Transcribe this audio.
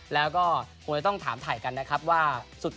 แล้วก็คงจะต้องถามถ่ายกันนะครับว่า